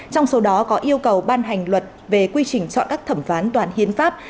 trong số đó có yêu cầu ban hành luật về quy trình chọn các thẩm phán toàn hiến pháp